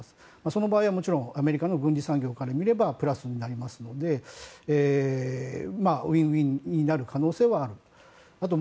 その場合はもちろんアメリカの軍需産業から見ればプラスになりますのでウィンウィンになる可能性はあると。